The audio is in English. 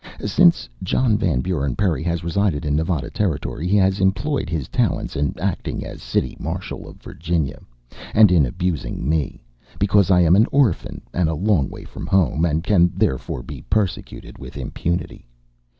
Since John Van Buren Perry has resided in Nevada Territory, he has employed his talents in acting as City Marshal of Virginia, and in abusing me because I am an orphan and a long way from home, and can therefore be persecuted with impunity.